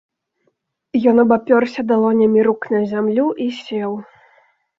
Ён абапёрся далонямі рук на зямлю і сеў.